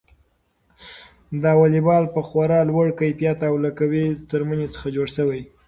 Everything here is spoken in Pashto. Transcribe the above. دا واليبال په خورا لوړ کیفیت او له قوي څرمنې څخه جوړ شوی.